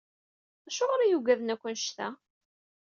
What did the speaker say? Acuɣer i yugaden akk annect-a?